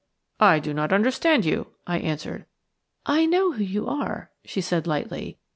"I do not understand you," I answered. "I know who you are," she said, lightly.